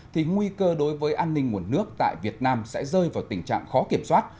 thì nguy cơ đối với an ninh nguồn nước tại việt nam sẽ rơi vào tình trạng khó kiểm soát